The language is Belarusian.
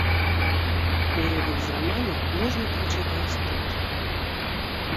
Урывак з рамана можна прачытаць тут.